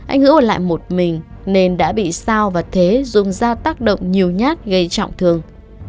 anh hữu ở lại một mình nên đã bị sao và thế dùng ra tác động nhiều nhát gây trọng thương